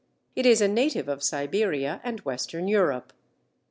It is a native of Siberia and Western Europe.